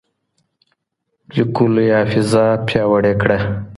لیکلو یې حافظه پیاوړې کړه.